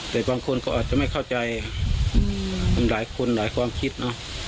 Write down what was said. แต่บางคนก็อาจจะไม่เข้าใจหลายคนหลายความคิดนะ